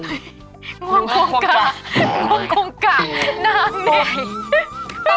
ง่วงควงกะง่วงควงกะน้ำไหน